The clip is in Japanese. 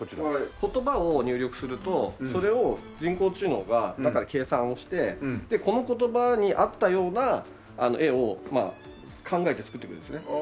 言葉を入力するとそれを人工知能が中で計算をしてこの言葉に合ったような絵を考えて作ってくれるんですね。